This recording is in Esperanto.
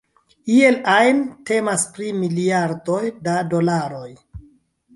Iel ajn temas pri miliardoj da dolaroj.